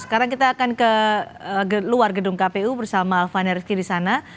sekarang kita akan ke luar gedung kpu bersama fana rizky di sana